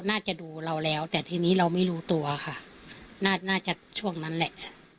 น่าจะดูเราแล้วแต่ทีนี้เราไม่รู้ตัวค่ะน่าจะช่วงนั้นแหละ